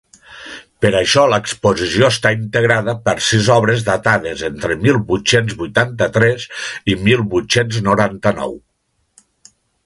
Per això l’exposició està integrada per sis obres datades entre mil vuit-cents vuitanta-tres i mil vuit-cents noranta-nou.